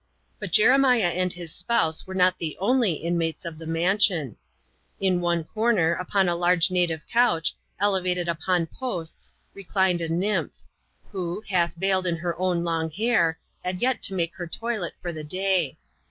. But Jeremiah and his spouse were not the only inmatea.c£ the mansion. 282 ADVENTURES IN THE SOUTH SEAS, [chap.lxxib. In one comer, upon a large native couch, elevated upon posts reclined a nymph ; who, half veiled in her own long hair, had yet to make her toilet for the day.